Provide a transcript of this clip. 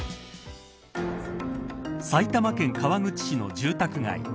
埼玉県川口市の住宅街。